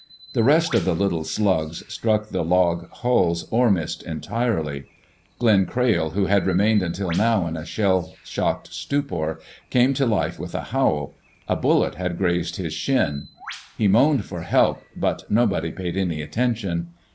The rest of the little slugs struck the log hulls or missed entirely. Glenn Crayle, who had remained until now in a shell shocked stupor, came to life with a howl. A bullet had grazed his shin. He moaned for help, but nobody paid any attention.